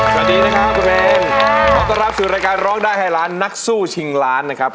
สวัสดีนะครับคุณเบนขอต้อนรับสู่รายการร้องได้ให้ล้านนักสู้ชิงล้านนะครับ